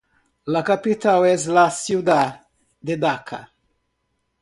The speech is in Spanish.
La capital es la ciudad de Daca.